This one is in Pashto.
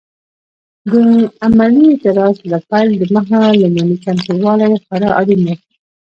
د عملي اعتراض له پیل دمخه لومړني چمتووالي خورا اړین دي.